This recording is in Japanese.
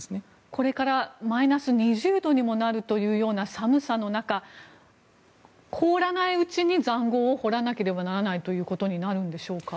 これからマイナス２０度にもなるという寒さの中、凍らないうちに塹壕を掘らなければならないんでしょうか。